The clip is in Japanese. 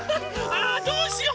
ああどうしよう！